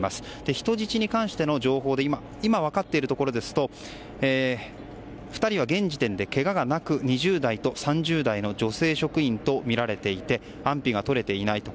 人質に関しての情報で今、分かっているところですと２人は現時点でけがはなく２０代と３０代の女性職員とみられていて安否がとれていないと。